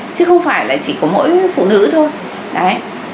chứ không phải là chỉ của mỗi phụ nữ thôi